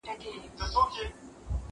زه اوس ښوونځی ته ځم!